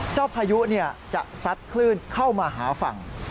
พายุจะซัดคลื่นเข้ามาหาฝั่ง